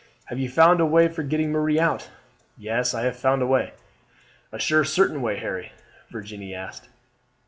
"Have you found a way for getting Marie out?" "Yes, I have found a way." "A sure, certain way, Harry?" Virginie asked.